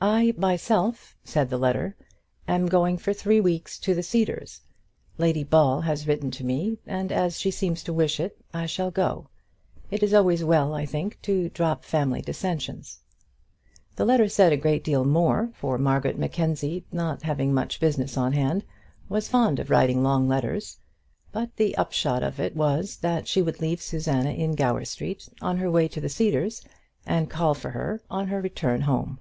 "I myself," said the letter, "am going for three weeks to the Cedars. Lady Ball has written to me, and as she seems to wish it, I shall go. It is always well, I think, to drop family dissensions." The letter said a great deal more, for Margaret Mackenzie, not having much business on hand, was fond of writing long letters; but the upshot of it was, that she would leave Susanna in Gower Street, on her way to the Cedars, and call for her on her return home.